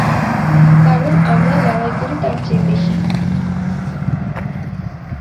কারণ আমরা লড়াই করি তার চেয়ে বেশি।